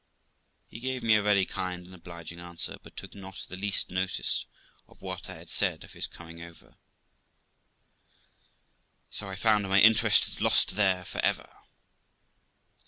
He gave me a very kind and obliging answer, but took not the least notice of what I had said of his coming over, so I found my interest lost there for ever.